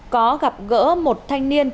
có gặp gỡ một thanh niên